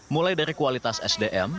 mulai dari kualitas sdm